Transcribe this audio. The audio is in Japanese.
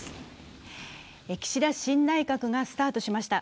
岸田新内閣がスタートしました。